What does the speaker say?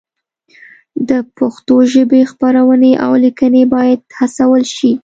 د پښتو ژبې خپرونې او لیکنې باید هڅول شي.